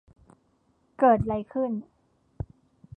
เกิดไรขึ้น ?